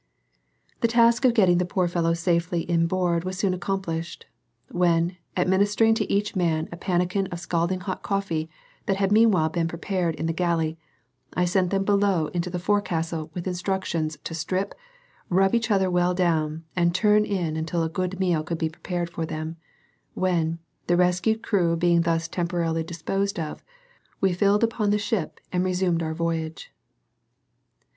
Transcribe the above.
The task of getting the poor fellows safely inboard was soon accomplished, when, administering to each man a pannikin of scalding hot coffee that had meanwhile been prepared in the galley, I sent them below into the forecastle with instructions to strip, rub each other well down, and turn in until a good meal could be prepared for them; when, the rescued crew being thus temporarily disposed of, we filled upon the ship and resumed our voyage.